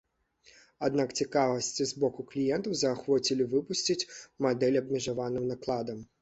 Аднак цікавасць з боку кліентаў заахвоцілі выпусціць мадэль абмежаваным накладам.